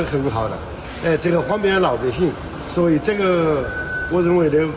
untuk pengelolaan rakyat pengelolaan perusahaan sangat baik